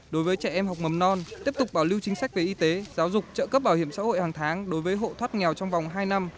đối với trẻ em học mầm non tiếp tục bảo lưu chính sách về y tế giáo dục trợ cấp bảo hiểm xã hội hàng tháng đối với hộ thoát nghèo trong vòng hai năm